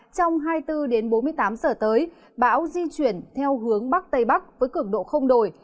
trong hai mươi bốn đến bốn mươi tám giờ tới bão di chuyển theo hướng bắc tây bắc với cường độ không đổi